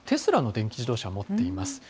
テスラの電気自動車を持っています。